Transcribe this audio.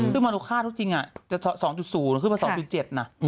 ซึ่งมาตุภาษณ์ทั่วจริงจะ๒๐แล้วขึ้นมา๒๗น่ะ